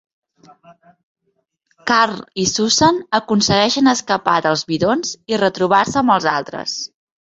Carl i Susan aconsegueixen escapar dels bidons i retrobar-se amb els altres.